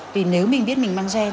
vì nếu mình biết mình mang gen